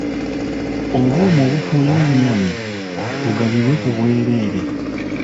Obuuma obufuuyira ennyaanya bugabibwe ku bwereere.